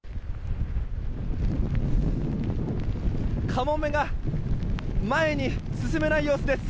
カモメが前に進めない様子です。